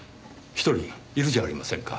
一人いるじゃありませんか。